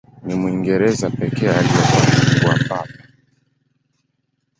Ni Mwingereza pekee aliyepata kuwa Papa.